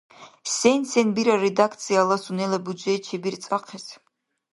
Сен-сен бирара редакцияли сунела бюджет чебирцӀахъес?